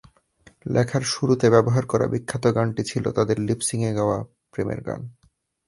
লেখার শুরুতে ব্যবহার করা বিখ্যাত গানটি ছিল তাঁদের লিপসিং-এ গাওয়া প্রেমের গান।